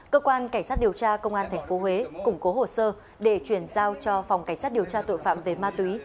cơ quan cảnh sát điều tra công an tp huế củng cố hồ sơ để chuyển giao cho phòng cảnh sát điều tra tội phạm về ma túy